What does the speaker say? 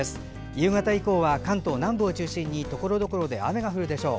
夕方以降は関東南部を中心にところどころで雨が降るでしょう。